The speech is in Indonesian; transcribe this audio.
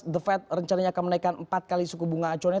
the fed rencananya akan menaikkan empat kali suku bunga acuannya